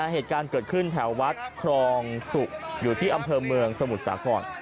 เหตุการณ์เกิดขึ้นแถววัดครองสุอยู่ที่อำเภอเมืองสมุทรสาคร